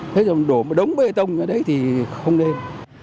thế rồi đổ một đống bê tông ở đấy thì không nên